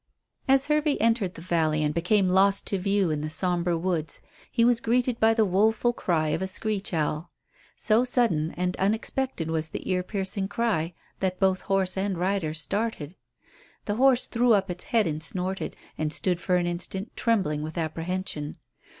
As Hervey entered the valley and became lost to view in the sombre woods, he was greeted by the woeful cry of a screech owl. So sudden and unexpected was the ear piercing cry that both horse and rider started. The horse threw up its head and snorted, and stood for an instant trembling with apprehension.